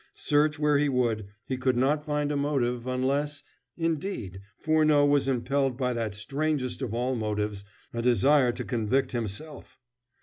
Search where he would, he could not find a motive, unless, indeed, Furneaux was impelled by that strangest of all motives, a desire to convict himself.